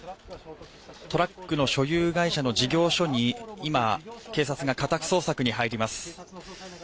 トラックの所有会社の事業所に今、警察が家宅捜索に入ります。